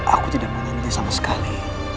aku tidak mengenalinya sama sekali